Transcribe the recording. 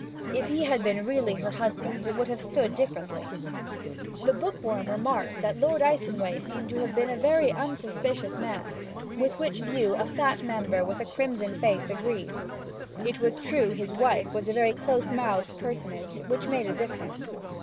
If he had been really her husband it would have stood differently. The Bookworm remarked that Lord Icenway seemed to have been a very unsuspicious man, with which view a fat member with a crimson face agreed. It was true his wife was a very close mouthed personage, which made a difference.